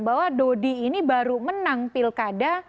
bahwa dodi ini baru menang pilkada